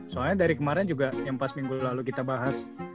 soalnya dari kemarin juga yang pas minggu lalu kita bahas